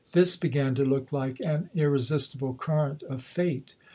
This began to look like an u resistible cui'rent of fate.